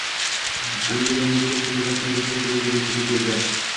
Angela Merkel so‘nggi rasmiy tashrif bilan Gretsiyaga kelding